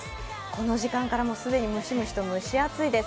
この時間から既にムシムシと蒸し暑いです。